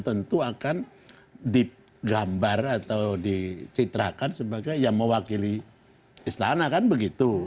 tentu akan digambar atau dicitrakan sebagai yang mewakili istana kan begitu